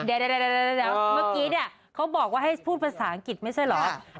เดี๋ยวเมื่อกี้เนี่ยเขาบอกว่าให้พูดภาษาอังกฤษไม่ใช่เหรอ